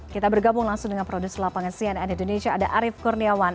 kita bergabung langsung dengan produser lapangan cnn indonesia ada arief kurniawan